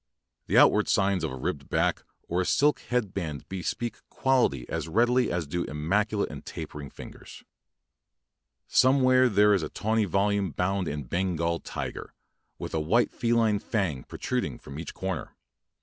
The out ward signs of a ribbed back or a silk head band bespeak quality as readily as do immaculate and tapering Somewhere there is a tawny volume bound in Bengal tiger, with a white feline fang protruding from each comer.